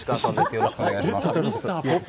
よろしくお願いします。